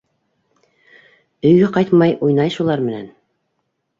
Өйгә ҡайтмай уйнай шулар менән.